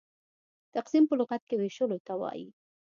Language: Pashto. تقسيم په لغت کښي وېشلو ته وايي.